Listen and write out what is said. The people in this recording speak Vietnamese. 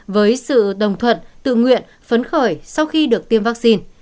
với sự đồng thuận tự nguyện phấn khởi sau khi được tiêm vaccine